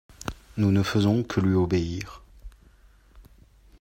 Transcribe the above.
Nous ne faisons que lui obéir.